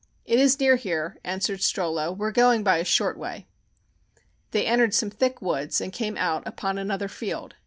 "It is near here," answered Strollo. "We are going by a short way." They entered some thick woods and came out upon another field.